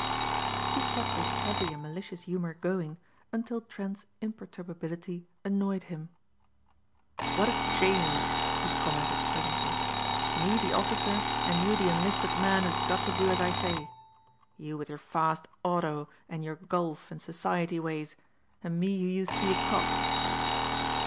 He kept this heavy and malicious humor going until Trent's imperturbability annoyed him. "What a change!" he commented presently. "Me the officer and you the enlisted man who's got to do as I say. You with your fast auto and your golf and society ways and me who used to be a cop."